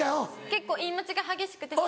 結構言い間違い激しくて。